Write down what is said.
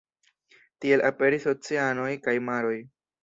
Tiel aperis oceanoj kaj maroj.